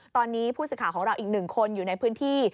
ตอนนี้ผู้สื่อข่าวของเราอีกหนึ่งคนอยู่ในพื้นที่